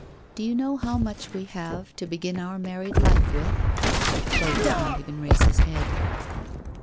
'Do you know how much we have to begin our married life with?' Claude did not even raise his head.